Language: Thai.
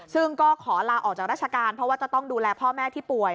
ซึ่งก็ขอลาออกจากราชการเพราะว่าจะต้องดูแลพ่อแม่ที่ป่วย